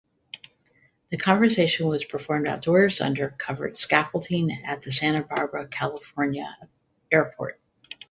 The conversion was performed outdoors, under covered scaffolding, at the Santa Barbara California airport.